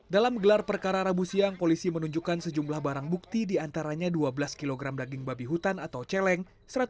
dalam gelar perkara rabu siang polisi menunjukkan sejumlah barang bukti diantaranya dua belas kg daging babi hutan atau celeng